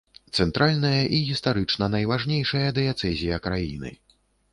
Цэнтральная і гістарычна найважнейшая дыяцэзія краіны.